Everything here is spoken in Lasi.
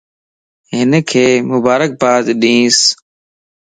ھنک مبارڪباد ڏينس